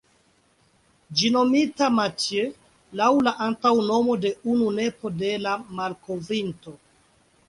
Ĝi nomita ""Mathieu"", laŭ la antaŭnomo de unu nepo de la malkovrinto.